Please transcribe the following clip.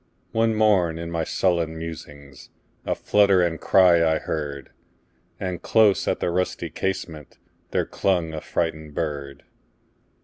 One morn, in my sullen musings,A flutter and cry I heard; And close at the rusty casementThere clung a frightened bird.